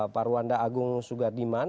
pak ruanda agung sugardiman